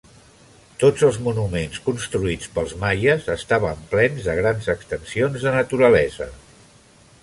Tots els monuments construïts pels maies estaven plens de grans extensions de naturalesa.